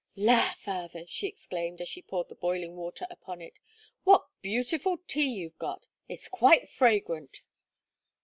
"La! Father," she exclaimed, as she poured the boiling water upon it, "what beautiful tea you've got; it's quite fragrant."